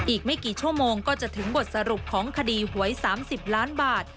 อีกไม่กี่ชั่วโมงก็จะถึงบทสรุปของคดีหวย๓๐ล้านบาท